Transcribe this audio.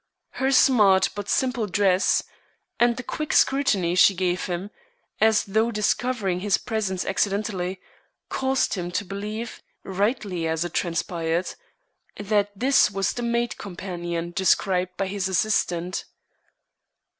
Her smart but simple dress, and the quick scrutiny she gave him, as though discovering his presence accidentally, caused him to believe rightly, as it transpired that this was the maid companion described by his assistant.